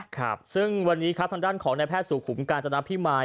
ครับซึ่งวันนี้ทางด้านของแพทย์สู่ขุมการจนับพิมาย